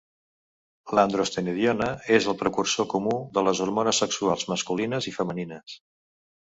L'androstenediona és el precursor comú de les hormones sexuals masculines i femenines.